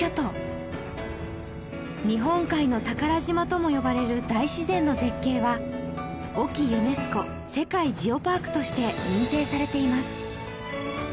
日本海の宝島とも呼ばれる大自然の絶景は隠岐ユネスコ世界ジオパークとして認定されています